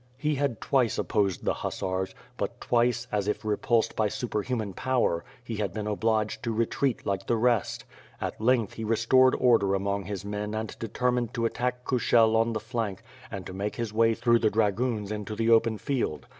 He had twice opposed the hussars, but twice, as if repulsed by superhuman power, he had been obliged to retreat like the rest. At length he restored order among his men and de termined to attack Kushel on the flank and to make his way through the dragoons into the open field.